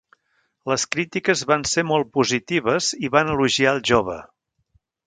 Les crítiques van ser molt positives i van elogiar al jove.